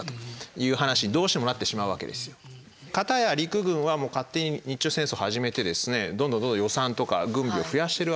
かたや陸軍は勝手に日中戦争を始めてですねどんどんどんどん予算とか軍備を増やしてるわけですね。